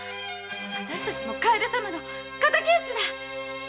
私たちもかえで様の敵討ちだ。